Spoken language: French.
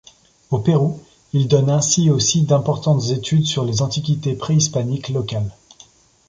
Au Pérou, il donne ainsi aussi d'importantes études sur les antiquités préhispaniques locales.